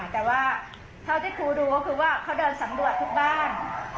แต่ว่าเท่าที่ครูดูก็คือว่าเขาเดินสำรวจทุกบ้าน